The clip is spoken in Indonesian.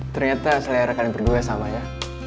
ternyata selera kalian berdua sama ya